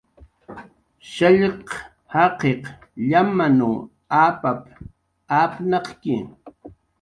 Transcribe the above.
"Shallq jaqiq llamanw apap"" apnaq""ki"